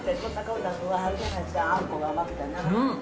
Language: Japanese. あんこが甘くてな。